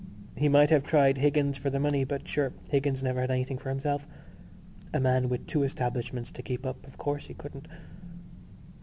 He might have tried Higgins for the money, but sure Higgins never had anything for himself. A man with two establishments to keep up, of course he couldn't....